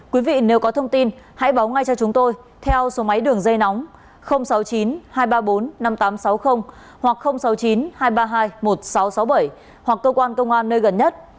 quý vị nếu có thông tin hãy báo ngay cho chúng tôi theo số máy đường dây nóng sáu mươi chín hai trăm ba mươi bốn năm nghìn tám trăm sáu mươi hoặc sáu mươi chín hai trăm ba mươi hai một nghìn sáu trăm sáu mươi bảy hoặc cơ quan công an nơi gần nhất